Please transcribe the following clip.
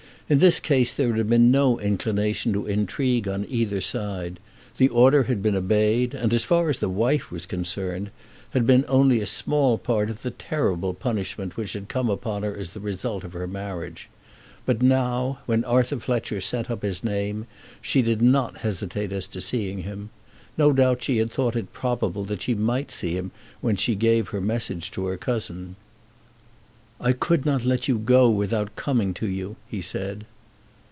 In this case there had been no inclination to intrigue on either side. The order had been obeyed, and as far as the wife was concerned, had been only a small part of the terrible punishment which had come upon her as the result of her marriage. But now, when Arthur Fletcher sent up his name, she did not hesitate as to seeing him. No doubt she had thought it probable that she might see him when she gave her message to her cousin. "I could not let you go without coming to you," he said.